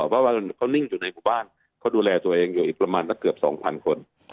เพราะว่าเขานิ่งอยู่ในหมู่บ้านเขาดูแลตัวเองอยู่อีกประมาณสักเกือบ๒๐๐คน